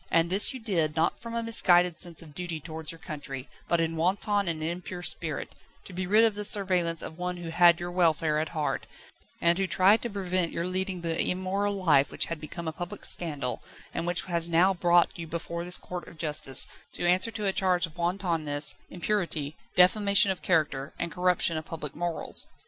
And this you did, not from a misguided sense of duty towards your country, but in wanton and impure spirit, to be rid of the surveillance of one who had your welfare at heart, and who tried to prevent your leading the immoral life which had become a public scandal, and which has now brought you before this court of justice, to answer to a charge of wantonness, impurity, defamation of character, and corruption of public morals.